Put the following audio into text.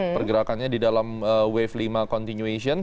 pergerakannya di dalam wave lima continuation